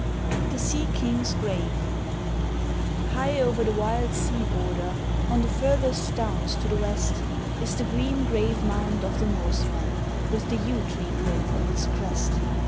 THE SEA KING'S GRAVE High over the wild sea border, on the furthest downs to the west, Is the green grave mound of the Norseman, with the yew tree grove on its crest.